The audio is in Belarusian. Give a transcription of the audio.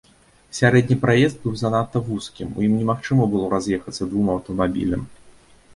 Сярэдні праезд быў занадта вузкім, у ім немагчыма было раз'ехацца двум аўтамабілям.